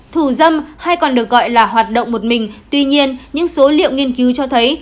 thủ dâm hay còn được gọi là hoạt động một mình tuy nhiên những số liệu nghiên cứu cho thấy